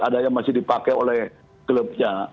ada yang masih dipakai oleh klubnya